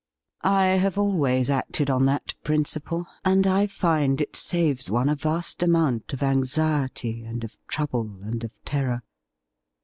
I have always acted on that principle, and I find it saves one a vast amount of anxiety and of trouble and of terror.